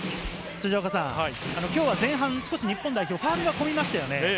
今日は前半、少し日本代表ファウルが混みましたよね。